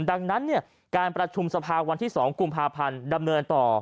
ดังนั้นการประชุมสภาวันที่๒กุมภาพันธ์ดำเนินต่อ